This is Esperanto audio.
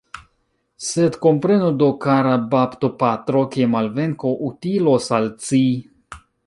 Sed komprenu do, kara baptopatro, ke malvenko utilos al ci.